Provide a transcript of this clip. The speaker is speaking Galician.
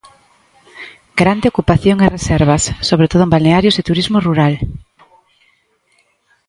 Grande ocupación e reservas, sobre todo en balnearios e turismo rural.